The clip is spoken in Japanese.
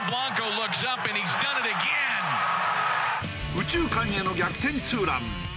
右中間への逆転ツーラン。